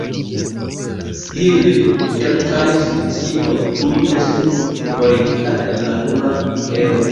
Tiele, kelkaj specioj tuj estu forigitaj el la nuna genro.